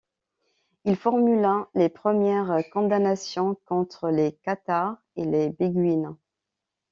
Il formula les premières condamnations contre les cathares et les béguines.